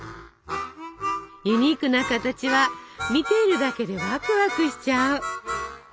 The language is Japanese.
ユニークな形は見ているだけでワクワクしちゃう。